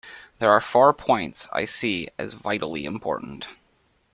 There are four points I see as vitally important.